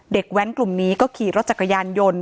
แว้นกลุ่มนี้ก็ขี่รถจักรยานยนต์